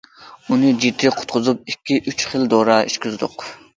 ئۇنى جىددىي قۇتقۇزۇپ، ئىككى، ئۈچ خىل دورا ئىچكۈزدۇق.